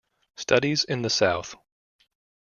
Studies in the South.